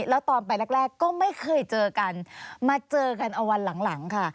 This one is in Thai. แล้วตอนไปแรกก็ไม่เคยเจอกันมาเจอกันเอาวันหลังค่ะ